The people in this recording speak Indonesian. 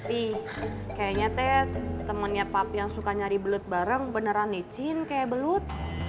tapi kayaknya temannya papi yang suka nyari belut bareng beneran licin kayak belut